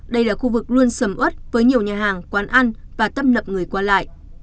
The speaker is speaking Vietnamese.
đây là khu vực luôn sầm uất với nhiều nhà hàng quán ăn và tấp nậm người qua lại